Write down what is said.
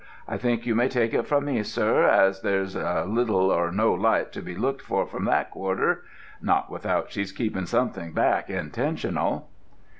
I think you may take it from me, sir, as there's little or no light to be looked for from that quarter; not without she's keeping somethink back intentional."